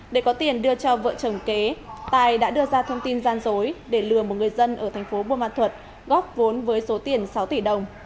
để có tiền đưa cho vợ chồng kế tài đã đưa ra thông tin gian dối để lừa một người dân ở thành phố buôn ma thuật góp vốn với số tiền sáu tỷ đồng